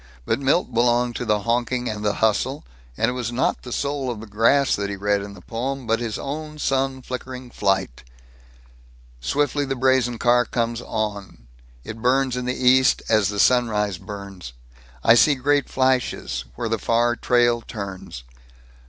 But Milt belonged to the honking and the hustle, and it was not the soul of the grass that he read in the poem, but his own sun flickering flight: Swiftly the brazen car comes on. It burns in the East as the sunrise burns. I see great flashes where the far trail turns.